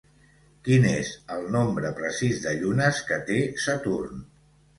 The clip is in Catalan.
Quin és el nombre precís de llunes que té Saturn?